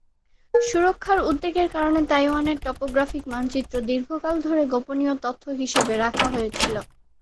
সুরক্ষার উদ্বেগের কারণে তাইওয়ানের টপোগ্রাফিক মানচিত্র দীর্ঘকাল ধরে গোপনীয় তথ্য হিসাবে রাখা হয়েছিল।